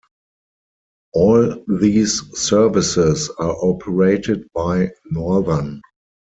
All these services are operated by Northern.